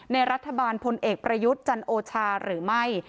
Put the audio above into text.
ในรัฐบาลพลเอกประยุทธ์จันโอชาหรือไม่